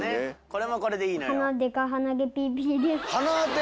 これもこれでいいのよ。